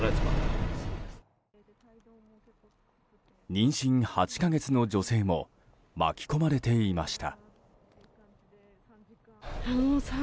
妊娠８か月の女性も巻き込まれていました。